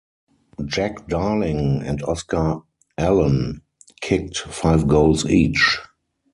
Jack Darling and Oscar Allen kicked five goals each.